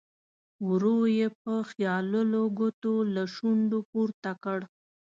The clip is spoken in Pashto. ورو یې په خیالولو ګوتو له شونډو پورته کړ.